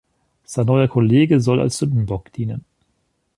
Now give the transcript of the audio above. Sein neuer Kollege soll als Sündenbock dienen.